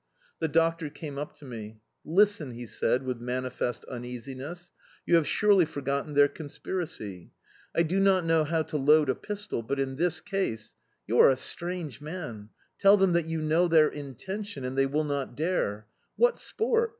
The doctor came up to me. "Listen," he said, with manifest uneasiness, "you have surely forgotten their conspiracy!... I do not know how to load a pistol, but in this case... You are a strange man! Tell them that you know their intention and they will not dare... What sport!